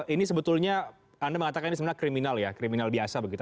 ini sebetulnya anda mengatakan ini sebenarnya kriminal ya kriminal biasa begitu